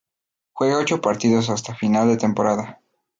Juega ocho partidos hasta final de temporada.